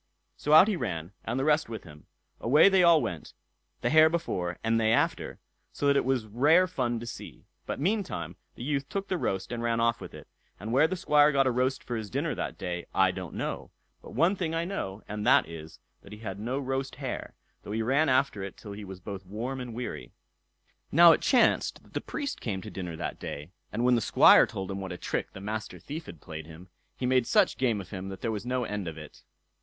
So out he ran, and the rest with him—away they all went, the hare before, and they after; so that it was rare fun to see. But meantime the youth took the roast and ran off with it; and where the Squire got a roast for his dinner that day I don't know; but one thing I know, and that is, that he had no roast hare, though he ran after it till he was both warm and weary. Now it chanced that the Priest came to dinner that day, and when the Squire told him what a trick the Master Thief had played him, he made such game of him that there was no end of it.